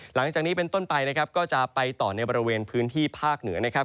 หลังจากนี้เป็นต้นไปนะครับก็จะไปต่อในบริเวณพื้นที่ภาคเหนือนะครับ